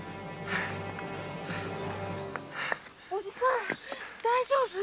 おじさん大丈夫？